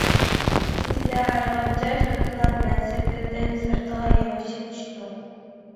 كېچىدە ئارغامچا شوتىلار بىلەن سېپىلدىن سىرتىغا يامىشىپ چۈشتۇق.